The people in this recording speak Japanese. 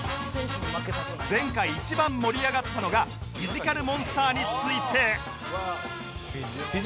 前回一番盛り上がったのがフィジカルモンスターについて